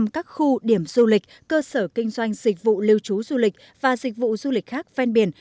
một trăm linh các khu điểm du lịch cơ sở kinh doanh dịch vụ lưu trú du lịch và dịch vụ du lịch khác ven biển